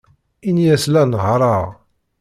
Ini-as la nehhṛeɣ.